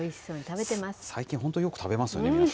最近、本当よく食べますよね。